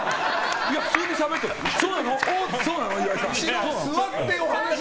普通にしゃべってるだけだよ。